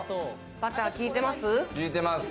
バター効いてます。